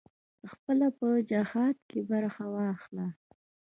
پخپله په جهاد کې برخه واخله.